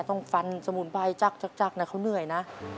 ต้องฟันสมุนไพรจักนะเขาเหนื่อยนะ